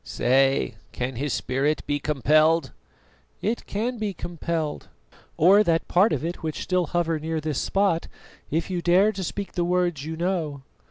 "Say, can his spirit be compelled?" "It can be compelled, or that part of it which still hover near this spot, if you dare to speak the words you know.